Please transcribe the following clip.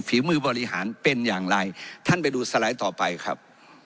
ฝีมือบริหารเป็นอย่างไรท่านไปดูสไลด์ต่อไปครับ